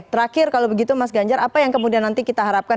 terakhir kalau begitu mas ganjar apa yang kemudian nanti kita harapkan